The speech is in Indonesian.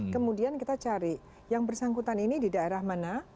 kemudian kita cari yang bersangkutan ini di daerah mana